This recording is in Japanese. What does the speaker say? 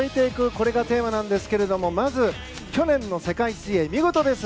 これがテーマなんですがまず去年の世界水泳、見事です。